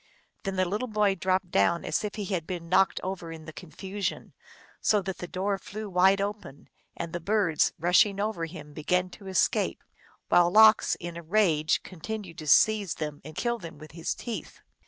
The little boy dropped down as if he had been knocked over in the confusion, so that the door flew wide open, and the birds, rushing over him, began to escape, while Lox in a rage continued to seize them and kill them with his teeth.